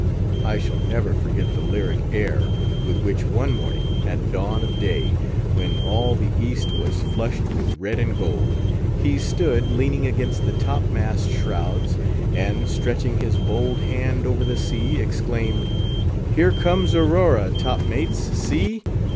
I shall never forget the lyric air with which, one morning, at dawn of day, when all the East was flushed with red and gold, he stood leaning against the top mast shrouds, and stretching his bold hand over the sea, exclaimed, "Here comes Aurora: top mates, see!"